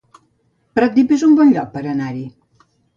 Pratdip es un bon lloc per anar-hi